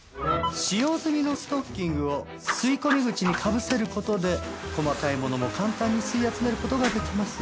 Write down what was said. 使用済みのストッキングを吸い込み口にかぶせる事で細かいものも簡単に吸い集める事ができます。